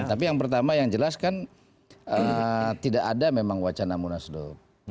tapi yang pertama yang jelas kan tidak ada memang wacana munaslup